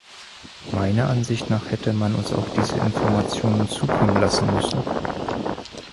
Meiner Ansicht nach hätte man uns auch diese Informationen zukommen lassen müssen.